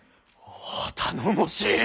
おう頼もしい！